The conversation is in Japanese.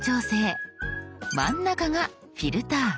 真ん中が「フィルター」。